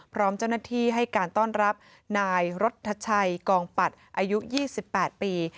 พร้อมเจ้าหน้าที่ให้การต้อนรับนายรัฐชัยกองปัดอายุ๒๘ปี